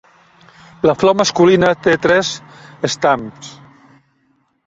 La flor masculina té tres estams.